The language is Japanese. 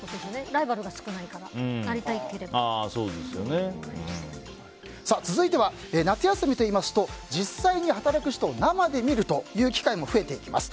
ライバルが少ないから続いては、夏休みといいますと実際に働く人を生で見る機会も増えていきます。